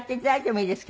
いいですか？